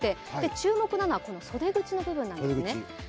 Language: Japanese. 注目なのは袖口の部分なんですね。